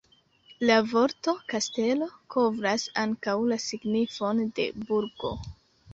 La vorto "kastelo" kovras ankaŭ la signifon de "burgo".